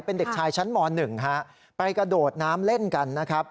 เป็นเด็กชายชั้นม๑ฮะไปกระโดดน้ำเล่นกันนะครับ